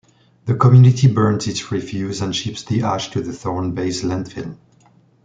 The community burns its refuse and ships the ash to Thorne Bay's landfill.